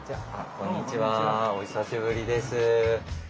こんにちはお久しぶりです。